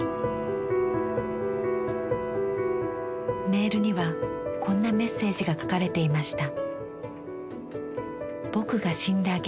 メールにはこんなメッセージが書かれていました。